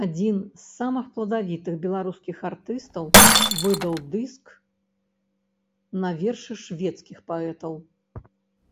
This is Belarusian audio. Адзін з самых пладавітых беларускіх артыстаў выдаў дыск на вершы шведскіх паэтаў.